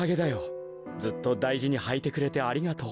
ずっとだいじにはいてくれてありがとう。